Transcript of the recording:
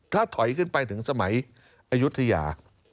ถ้าถอยขึ้นไปถึงสมัยอายุทยา